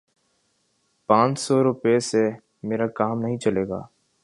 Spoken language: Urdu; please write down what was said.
پانچ سو روپے سے میرا کام نہیں چلے گا